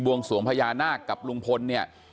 วงสวงพญานาคกับลุงพลเนี่ย